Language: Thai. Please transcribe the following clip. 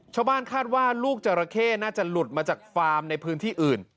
ชาวบ้านคาดว่าลูกจราเข้น่าจะหลุดมาจากฟาร์มในพื้นที่อื่น